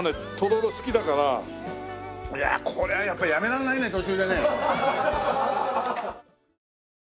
いやあこれはやっぱりやめられないね途中でね。